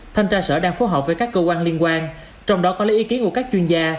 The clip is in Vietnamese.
thanh tra sở đang phối hợp với các cơ quan liên quan trong đó có lấy ý kiến của các chuyên gia